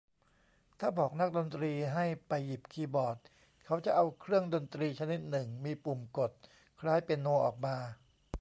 ถ้าบอกนักดนตรีให้ไปหยิบคีย์บอร์ด เขาจะเอาเครื่องดนตรีชนิดหนึ่งมีปุ่มกดคล้ายเปียโนออกมา